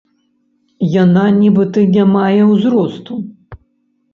Яна нібыта не мае ўзросту.